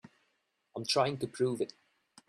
I'm trying to prove it.